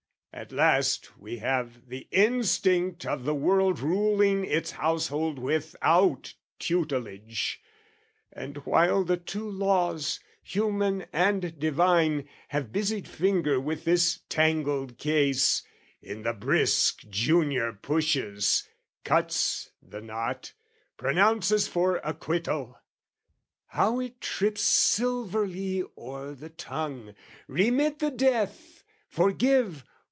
At last we have the instinct of the world Ruling its household without tutelage, And while the two laws, human and divine, Have busied finger with this tangled case, In the brisk junior pushes, cuts the knot, Pronounces for acquittal. How it trips Silverly o'er the tongue! "Remit the death! "Forgive...